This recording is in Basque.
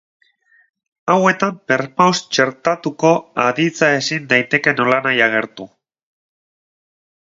Hauetan perpaus txertatuko aditza ezin daiteke nolanahi agertu.